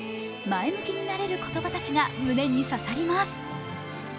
前向きになれる言葉たちが胸に刺さります。